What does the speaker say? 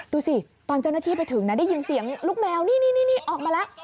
ดูสิตอนเจ้าหน้าที่ไปถึงนะได้ยินเสียงลูกแมวนี่ออกมาแล้ว